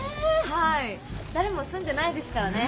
はい誰も住んでないですからね。